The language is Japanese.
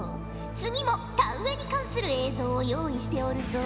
次も田植えに関する映像を用意しておるぞ。